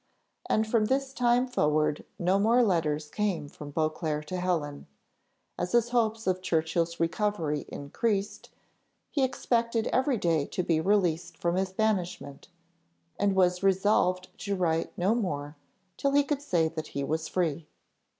And from this time forward no more letters came from Beauclerc to Helen; as his hopes of Churchill's recovery increased, he expected every day to be released from his banishment, and was resolved to write no more till he could say that he was free.